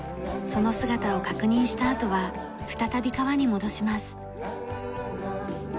その姿を確認したあとは再び川に戻します。